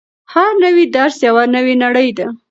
هر نوی درس یوه نوې نړۍ ده.